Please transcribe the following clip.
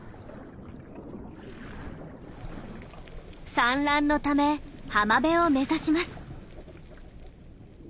産卵のため浜辺を目指します。